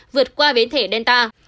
vượt qua biến thể delta